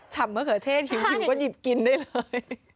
่ำมะเขือเทศหิวก็หยิบกินได้เลย